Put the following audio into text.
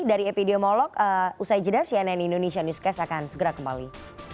ya video molok usai jeda cnn indonesia newscast akan segera kembali